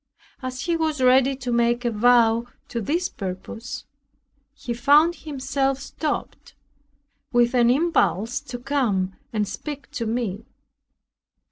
As he was ready to make a vow to this purpose, he found himself stopped, with an impulse to come and speak to me.